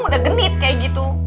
udah genit kayak gitu